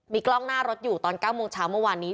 กล้องหน้ารถอยู่ตอน๙โมงเช้าเมื่อวานนี้